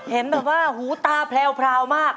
เห็นแบบว่าหูตาแพรวมาก